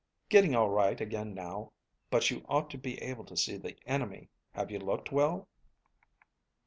"Getting all right again now. But you ought to be able to see the enemy. Have you looked well?"